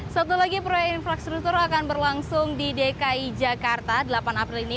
satu lagi proyek infrastruktur akan berlangsung di dki jakarta delapan april ini